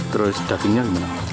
terus dagingnya gimana